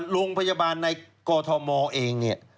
โรงพยาบาลในกมเอง